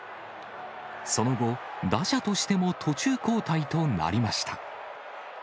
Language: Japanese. その後、打者としても途中交代となりました。